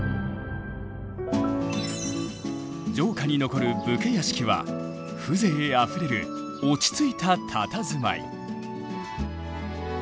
城下に残る武家屋敷は風情あふれる落ち着いたたたずまい。